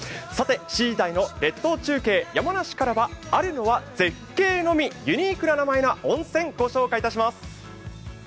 さて７時台の列島中継、山梨からはあるのは絶景のみ、ユニークな名前の温泉をご紹介します。